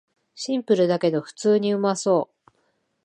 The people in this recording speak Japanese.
シンプルだけど普通にうまそう